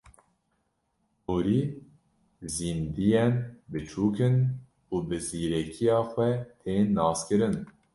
Mûrî zîndiyên biçûk in û bi zîrekiya xwe tên naskirin.